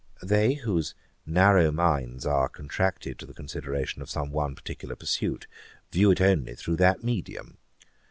They, whose narrow minds are contracted to the consideration of some one particular pursuit, view it only through that medium.